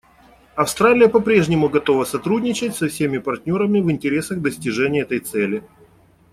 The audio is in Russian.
Австралия попрежнему готова сотрудничать со всеми партнерами в интересах достижения этой цели.